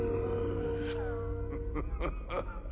フフフ。